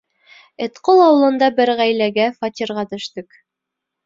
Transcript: Этҡол ауылында бер ғаиләгә фатирға төштөк.